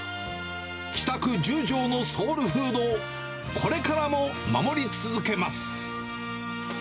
北区十条のソウルフードを、これからも守り続けます。